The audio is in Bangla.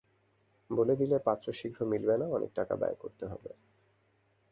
বলে দিলে, পাত্র শীঘ্র মিলবে না, অনেক টাকা ব্যয় করতে হবে।